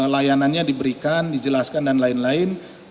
layanannya diberikan dijelaskan dan lain lain